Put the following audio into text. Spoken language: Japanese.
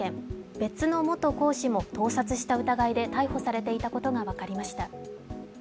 別の元講師も盗撮した疑いで逮捕されていたことが分かりました。